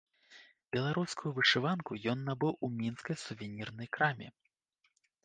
Беларускую вышыванку ён набыў у мінскай сувернірнай краме.